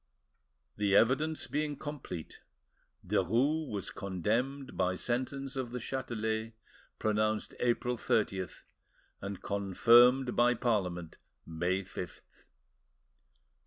The evidence being complete, Derues was condemned by sentence of the Chatelet, pronounced April 30th, and confirmed by Parliament, May 5th.